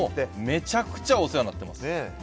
めちゃくちゃお世話になってます。